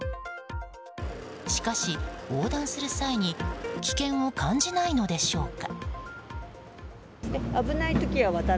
しかし横断する際に危険を感じないのでしょうか？